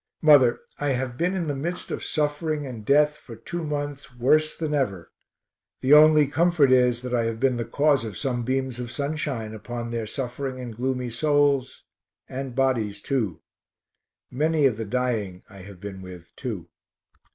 Mother, I have been in the midst of suffering and death for two months worse than ever the only comfort is that I have been the cause of some beams of sunshine upon their suffering and gloomy souls, and bodies too. Many of the dying I have been with, too.